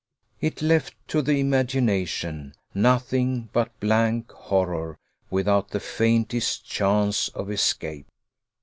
It left to the imagination nothing but blank horror, without the faintest chance of escape!